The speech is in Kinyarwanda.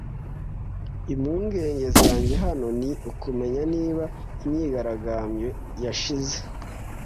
Impungenge zanjye hano ni ukumenya niba imyigaragambyo yashize